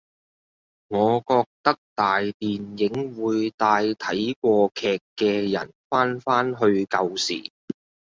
我覺得大電影會帶睇過劇嘅人返返去舊時